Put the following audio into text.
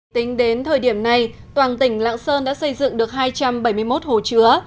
tính đến thời điểm này toàn tỉnh lạng sơn đã xây dựng được hai trăm bảy mươi một hồ chứa